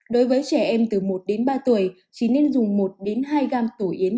đối với trẻ em từ một đến ba tuổi chỉ nên dùng một hai gam tổ yến